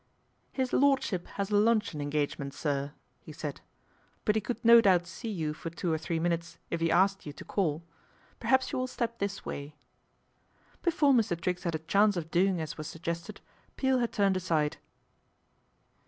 " His Lordship has a luncheon engagement, sir," he said ;" but he could no doubt see you for two or three minutes if he asked you to call. Perhaps you will step this way." Before Mr. Triggs had a chance of doing as was suggested, Peel had turned aside.